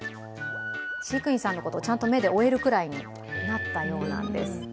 飼育員さんのことをちゃんと目で追えるくらいになったようなんです。